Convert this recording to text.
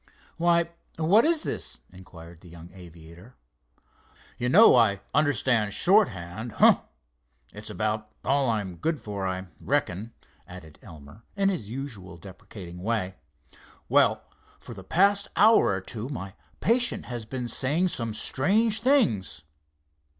"Why, what is this?" inquired the young aviator. "You know I understand shorthand—humph! it's about all I am good for, I reckon," added Elmer, in his usual deprecating way. "Well, for the past hour or two my patient has been saying some strange things."